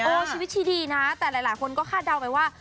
ชีวิตชีดีนะแต่หลายคนก็คาดเดาไปว่า